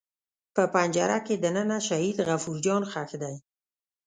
په پنجره کې دننه شهید غفور جان ښخ دی.